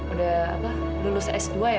udah lulus s dua ya